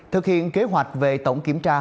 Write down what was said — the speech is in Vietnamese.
thực hiện kế hoạch về tổng kiểm tra